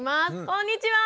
こんにちは。